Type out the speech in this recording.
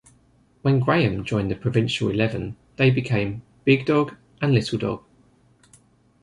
When Graeme joined the provincial eleven they became "Big Dog" and "Little Dog".